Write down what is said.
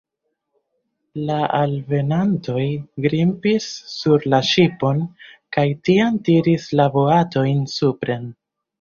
La alvenantoj grimpis sur la ŝipon kaj tiam tiris la boatojn supren.